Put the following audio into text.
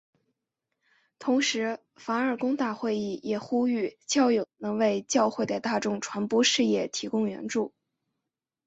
同时梵二大公会议也呼吁教友能为教会的大众传播事业提供援助。